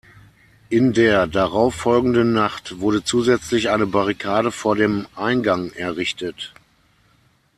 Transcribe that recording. In der darauffolgenden Nacht wurde zusätzlich eine Barrikade vor dem Eingang errichtet.